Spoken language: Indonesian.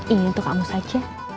ini untuk kamu saja